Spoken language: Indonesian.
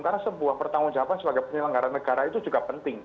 karena sebuah pertanggung jawaban sebagai penyelenggara negara itu juga penting